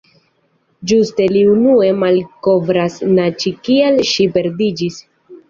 Ĝuste li unue malkovras na Ĉi kial ŝi perdiĝis.